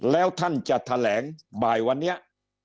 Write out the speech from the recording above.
แล้วท่านจะแถลงบ่ายวันนี้